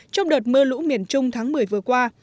trong đợt mưa lũ miền trung tháng một mươi vừa qua